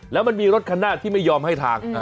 แล้วมันมีรถคันหน้าที่ไม่ยอมให้ทาง